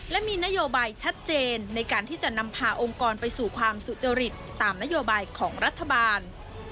และมีนโยบายชัดเจนในการที่จะนำพาองค์กรไปสู่ความสุจริตตามนโยบายของรัฐบาล